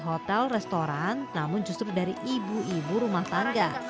hotel restoran namun justru dari ibu ibu rumah tangga